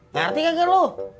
ngerti kagak lo